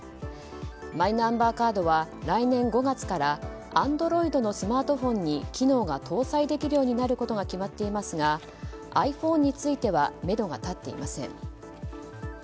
マイナンバーカードは来年５月からアンドロイドのスマートフォンに機能が搭載できるようになることが決まっていますがｉＰｈｏｎｅについてはめどが立っていません。